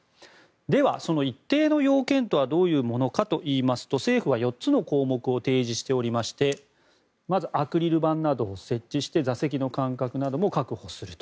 では、その一定の要件とはどういうものかといいますと政府は４つの項目を提示していましてまず、アクリル板などを設置して座席の間隔なども確保すると。